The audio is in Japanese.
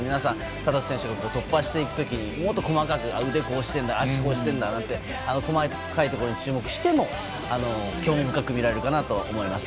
タタフ選手が突破していく時にもっと細かく腕こうしてるんだ脚こうしてるんだって細かいところに注目しても興味深く見られるかなと思います。